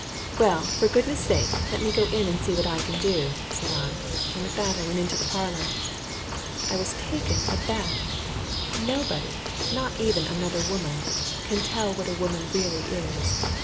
"Well, for goodness' sake, let me go in and see what I can do," said I, and with that I went into the parlor. I was taken aback. Nobody, not even another woman, can tell what a woman really is.